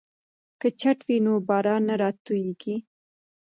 که چت وي نو باران نه راتوییږي.